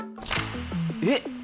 えっ！？